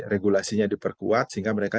regulasinya diperkuat sehingga mereka